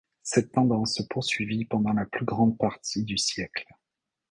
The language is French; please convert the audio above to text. Cette tendance se poursuivit pendant la plus grande partie du siècle.